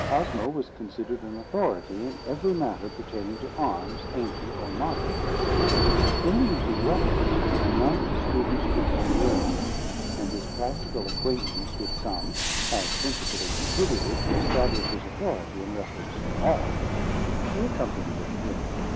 Cosmo was considered an authority in every matter pertaining to arms, ancient or modern. In the use of weapons, none of the students could come near him; and his practical acquaintance with some had principally contributed to establish his authority in reference to all. He accompanied him willingly.